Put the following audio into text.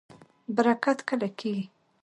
برکت کله کیږي؟